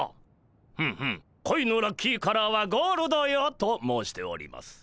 ふむふむ「恋のラッキーカラーはゴールドよ」と申しております。